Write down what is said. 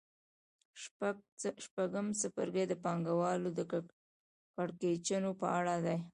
شپږم څپرکی د پانګوالۍ د کړکېچونو په اړه دی